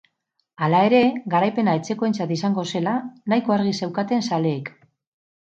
Hala ere, garaipena etxekoentzat izango zela nahiko argi zeuketan zaleek.